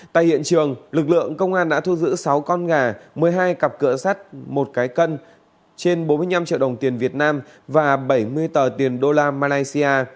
tại hiện trường lực lượng công an đã thu giữ sáu con gà một mươi hai cặp cửa sắt một cái cân trên bốn mươi năm triệu đồng tiền việt nam và bảy mươi tờ tiền đô la malaysia